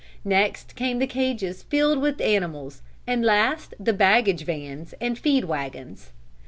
Next came the cages filled with animals and last the baggage vans and feed wagons.